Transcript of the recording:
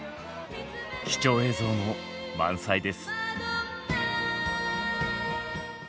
貴重映像も満載です。